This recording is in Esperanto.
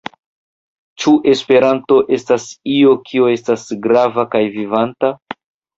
Ĉu Esperanto estas io, kio estas grava kaj vivanta?